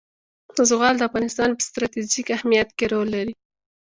زغال د افغانستان په ستراتیژیک اهمیت کې رول لري.